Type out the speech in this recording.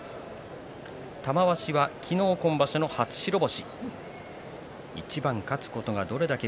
玉鷲は昨日、今場所の初白星。